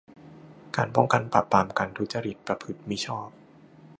การป้องกัน ปราบปรามการทุจริตประพฤติมิชอบ